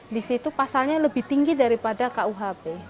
di situ pasalnya lebih tinggi daripada kuhp